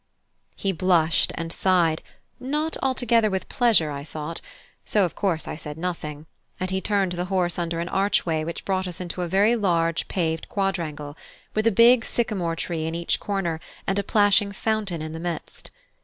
He blushed and sighed, not altogether with pleasure, I thought; so of course I said nothing, and he turned the horse under an archway which brought us into a very large paved quadrangle, with a big sycamore tree in each corner and a plashing fountain in the midst.